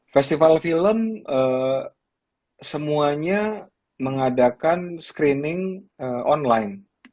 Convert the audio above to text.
festival film semuanya mengadakan screening online